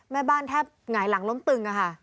แม่บ้านแทบหงายหลังล้มตึงอะค่ะ